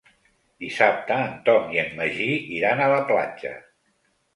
Dissabte en Tom i en Magí iran a la platja.